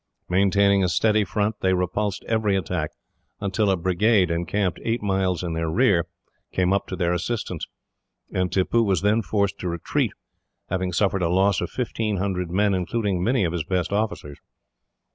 Maintaining a steady front, they repulsed every attack, until a brigade, encamped eight miles in their rear, came up to their assistance; and Tippoo was then forced to retreat, having suffered a loss of 1,500 men, including many of his best officers.